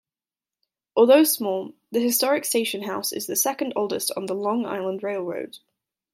Although small, the historic station-house is the second-oldest on the Long Island Rail Road.